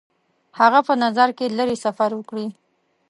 هغه په نظر کې لري سفر وکړي.